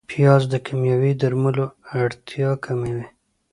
پیاز د کیمیاوي درملو اړتیا کموي